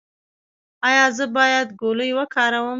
ایا زه باید ګولۍ وکاروم؟